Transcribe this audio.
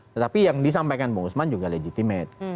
tetapi yang disampaikan bung usman juga legitimate